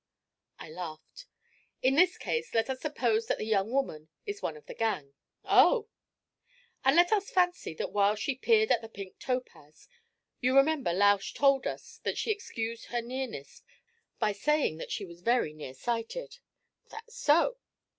I laughed. 'In this case let us suppose that the young woman is one of the gang.' 'Oh!' 'And let us fancy that while she peered at the pink topaz you remember Lausch told us that she excused her nearness by saying that she was very near sighted?' 'That's so.'